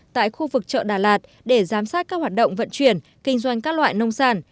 tại khu vực chợ đà lạt để giám sát các hoạt động vận chuyển kinh doanh các loại nông sản